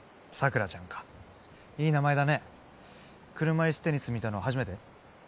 桜ちゃんかいい名前だね車いすテニス見たの初めて？